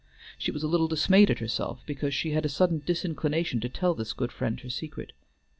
She was a little dismayed at herself because she had a sudden disinclination to tell this good friend her secret.